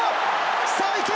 さあ、行け！